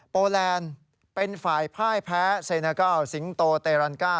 โปแลนเป็นฝ่ายพ่ายแพ้เซนเซนเกิลซิงโตเตรานก้า